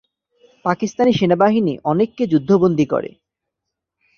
পাকিস্তান সেনাবাহিনী অনেককে যুদ্ধ বন্দী করে।